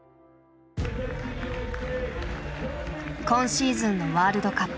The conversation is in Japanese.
今シーズンのワールドカップ。